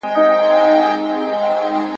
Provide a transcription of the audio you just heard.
تاسي له وخته مخکي خبر سوي یاست.